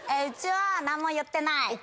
うちは何も言ってない。